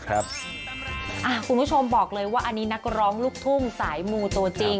คุณผู้ชมบอกเลยว่าอันนี้นักร้องลูกทุ่งสายมูตัวจริง